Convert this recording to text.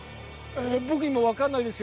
僕にも分かんないですよ